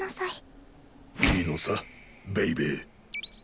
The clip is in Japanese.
いいのさベイベー。